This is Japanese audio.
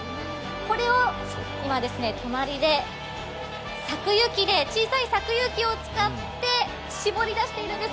これを今、隣で、小さい搾油機を使って搾り出しているんです。